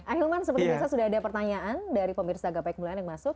ahilman seperti biasa sudah ada pertanyaan dari pemirsa gapai kemuliaan yang masuk